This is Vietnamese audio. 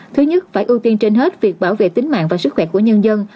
thứ nhất phải ưu tiên trên hết việc bảo vệ tính mạng và sức khỏe của nhân dân